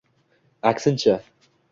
Aksincha!